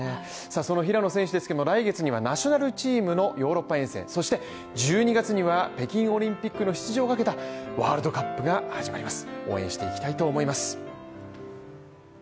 その平野選手ですけども来月にはナショナルチームのヨーロッパ遠征そして１２月には北京オリンピックの出場をかけたワールドカップが始まります応援していきたいと思います